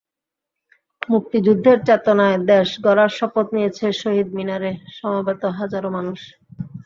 মুক্তিযুদ্ধের চেতনায় দেশ গড়ার শপথ নিয়েছে শহীদ মিনারে সমবেত হাজারো মানুষ।